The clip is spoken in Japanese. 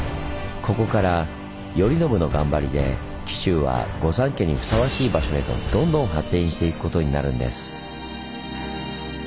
ここから頼宣の頑張りで紀州は御三家にふさわしい場所へとどんどん発展していくことになるんです。